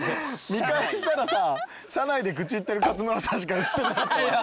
見返したらさ車内で愚痴ってる勝村さんしか写ってなくて。